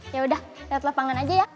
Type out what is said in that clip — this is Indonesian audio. yaudah liat lapangan aja ya